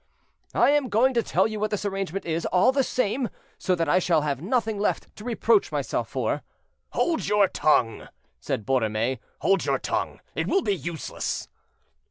"I am going to tell you what this arrangement is, all the same, so that I shall have nothing left to reproach myself for." "Hold your tongue," said Borromée; "hold your tongue; it will be useless."